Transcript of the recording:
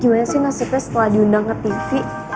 gimana sih nasibnya setelah diundang ke tv